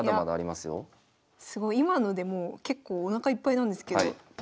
すごい今のでもう結構おなかいっぱいなんですけど。